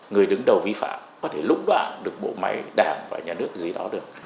người đứng đầu vi phạm có thể lũng đoạn được bộ máy đảng và nhà nước gì đó được